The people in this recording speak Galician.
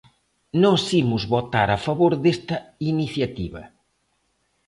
Nós imos votar a favor desta iniciativa.